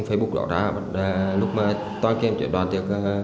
l ranks gallery cao tr pasó cận chín trên căn phósoc